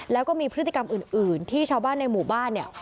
แล้วก็มีพฤติกรรมอื่นที่ชาวบ้านในหมู่บ้านเนี่ย